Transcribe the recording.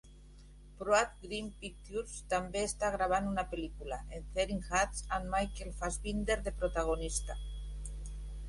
Broad Green Pictures també està gravant una pel·lícula, "Entering Hades", amb Michael Fassbender de protagonista.